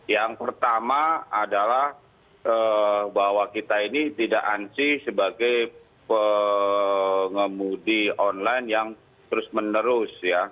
yang pertama adalah bahwa kita ini tidak ansih sebagai pengemudi online yang terus menerus ya